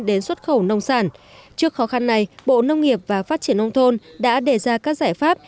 đến xuất khẩu nông sản trước khó khăn này bộ nông nghiệp và phát triển nông thôn đã đề ra các giải pháp